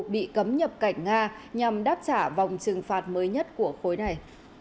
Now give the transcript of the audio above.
bị cấm nhập cảnh nga nhằm đáp trả vòng trừng phạt mới nhất của khối này